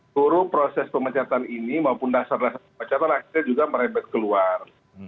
suruh proses pemacatan ini maupun dasar dasar pemacatan akhirnya juga merebet keluar